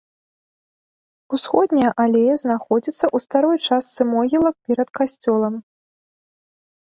Усходняя алея знаходзіцца ў старой частцы могілак перад касцёлам.